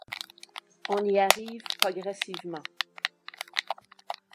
On y arrive progressivement.